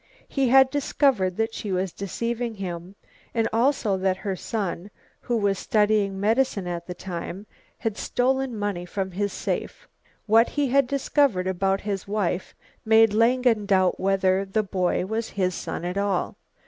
He had discovered that she was deceiving him, and also that her son, who was studying medicine at the time, had stolen money from his safe. What he had discovered about his wife made Langen doubt whether the boy was his son at all.